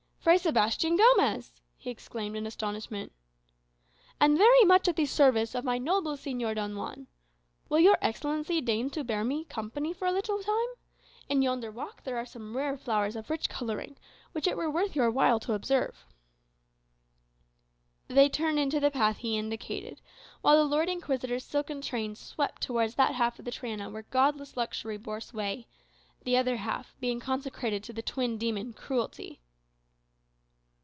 "Fray Sebastian Gomez!" he exclaimed in astonishment "And very much at the service of my noble Señor Don Juan. Will your Excellency deign to bear me company for a little time? In yonder walk there are some rare flowers of rich colouring, which it were worth your while to observe." They turned into the path he indicated, while the Lord Inquisitor's silken train swept towards that half of the Triana where godless luxury bore sway; the other half being consecrated to the twin demon, cruelty.